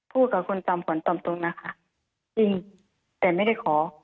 พูดกับคุณจอมขวัญตามตรงนะคะจริงแต่ไม่ได้ขอ